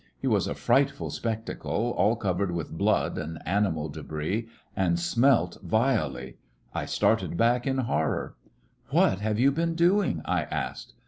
He was a frightful spectacle, all cov ered with blood and animal debris, and smelt vilely. I started back in horror. "What have you been doing!" I asked.